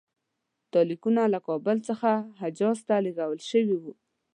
دا لیکونه له کابل څخه حجاز ته لېږل شوي وو.